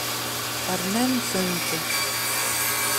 Rnan-tent.